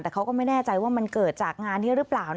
แต่เขาก็ไม่แน่ใจว่ามันเกิดจากงานนี้หรือเปล่า